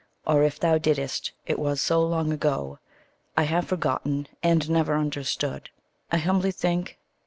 Or if thou didst, it was so long ago I have forgotten and never understood, I humbly think.